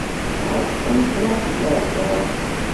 Ṭṭerḍqen kraḍ n yiɛbaṛen.